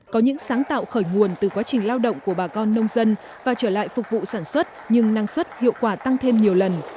có những sáng tạo khởi nguồn từ quá trình lao động của bà con nông dân và trở lại phục vụ sản xuất nhưng năng suất hiệu quả tăng thêm nhiều lần